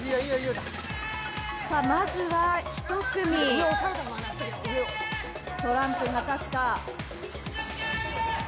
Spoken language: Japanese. まずは１組、トランプが立つか。